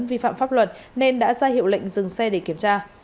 vi phạm pháp luật nên đã ra hiệu lệnh dừng xe để kiểm tra